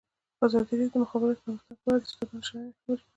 ازادي راډیو د د مخابراتو پرمختګ په اړه د استادانو شننې خپرې کړي.